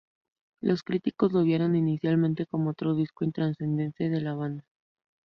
Los críticos lo vieron inicialmente como otro disco intrascendente de la banda.